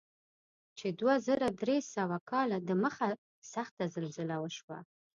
چې دوه زره درې سوه کاله دمخه سخته زلزله وشوه.